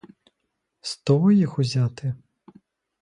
З того їх узяти?